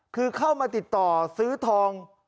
คือเข้ามาติดต่อซื้อทอง